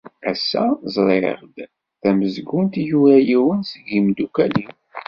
Assa ẓriɣ-d tamezgunt i yura yiwen seg imdukal-iw.